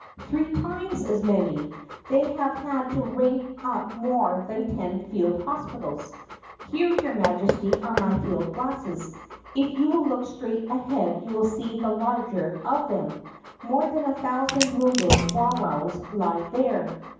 Three times as many ! They have had to rig up more than ten field hospitals. Here, your Majesty, are my field glasses. If you will look straight ahead you will see the largest of them. More than a thousand wounded bowwows lie there."